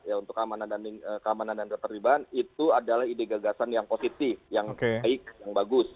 ya untuk keamanan dan keterlibatan itu adalah ide gagasan yang positif yang baik yang bagus